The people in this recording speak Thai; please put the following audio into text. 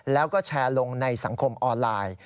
แล้วก็แชร์ลงในสังคมออนไลน์